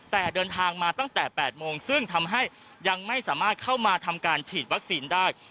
แต่เดินทางมาตั้งแต่๘โมงซึ่งทำให้ยังไม่สามารถเข้ามาทำการฉีดวัคซีนได้